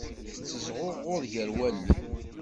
Tettezɣuɣud gar wallen.